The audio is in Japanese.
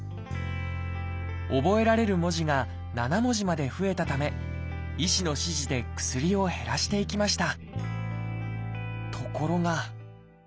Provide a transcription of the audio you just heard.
覚えられる文字が７文字まで増えたため医師の指示で薬を減らしていきました。